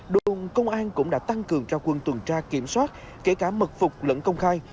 đồn công an đã tăng cường cho quân tuần tra kiểm soát kể cả mật phục lẫn công khai